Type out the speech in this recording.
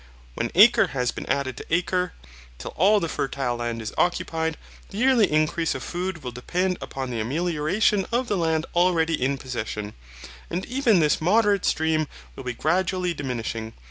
When acre has been added to acre, till all the fertile land is occupied, the yearly increase of food will depend upon the amelioration of the land already in possession; and even this moderate stream will be gradually diminishing.